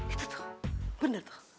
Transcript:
itu tuh bener tuh